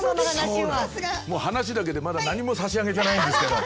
もう話だけでまだ何も差し上げてないんですけど。